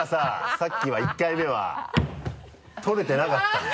さっきは１回目は取れてなかったんだ。